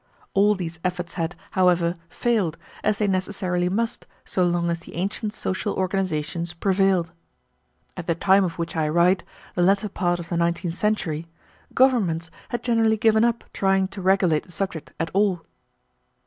All these efforts had, however, failed, as they necessarily must so long as the ancient social organizations prevailed. At the time of which I write, the latter part of the nineteenth century, governments had generally given up trying to regulate the subject at all.